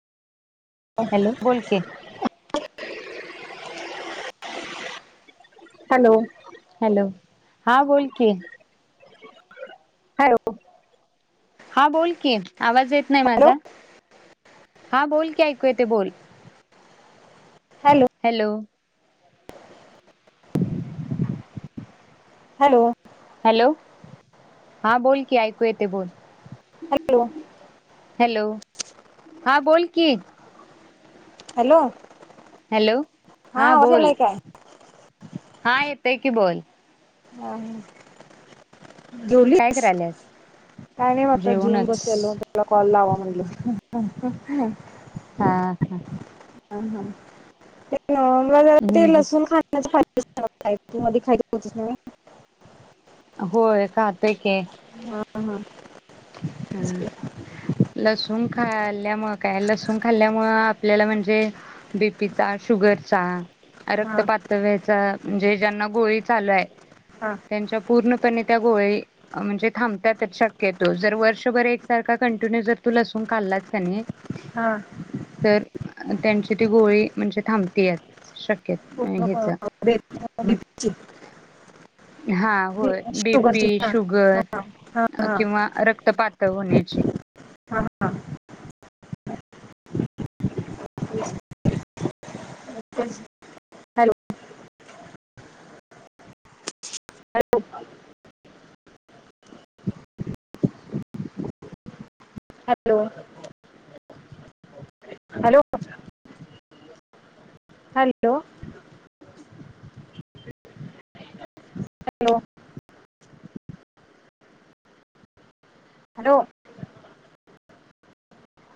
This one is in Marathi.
हॅलो, बोल कि. हॅलो. हॅलो हा बोल की हॅलो. हा बोल की. आवाज येत नाही हॅलो माझा? हा बोल की ऐकू येत बोल. हॅलो. हॅलो. हॅलो हा बोल की ऐकू येते बोल हॅलो हॅलो हा बोल. की- हॅलो. हॅलो हा आवाज बोल. यालाय काय हा येतय की बोल. हाम, काय जेवलीस करायल्यास काय नाही आता जेऊन जेवूनच बसलेलो तुला कॉल लावा- [unintelligible] हा हा. हम, हम. मग ज ते हम्म लसूनण खाण्याच तू मध्ये खायच होतस नवे होय खातय की. हा हा हम्म लसु न खाल्ल्यामु काय लसूण खाल्ल्यामुळ आपल्याला म्हणजे बीपीचा, शुगरचा रक्त हा पातळव्याचं म्हणजे, ज्यांना गोळी चालू हाय, हा त्यांच्या पूर्णपणे त्या गोळी- म्हणजे थांबत्यातच शक्यतो जर व- र्षशभर एकसारखा कंटिन्यू जर तू लसून खाल्लास कणी, हा तर त्यांच्या- ती गोळी म्हणजे थांबत्याच श- केत पूर्ण हेच म बीपीची हा होय. बी. शुगरची पी, हा शुगर हा हा किंव्हा रक्तपा- त होन्याची. हा हा. Hello. Hello. Hello hello hello. Hello. Hello.